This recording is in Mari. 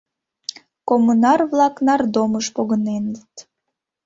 Коммунар-влак нардомыш погыненыт.